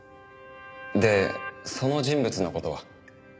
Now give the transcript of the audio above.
でその人物の事は？